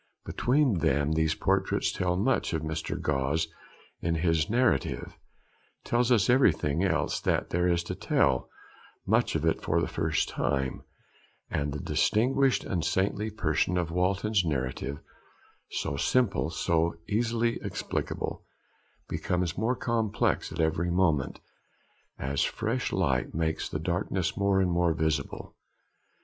Between them these portraits tell much, and Mr. Gosse, in his narrative, tells us everything else that there is to tell, much of it for the first time; and the distinguished and saintly person of Walton's narrative, so simple, so easily explicable, becomes more complex at every moment, as fresh light makes the darkness more and more visible.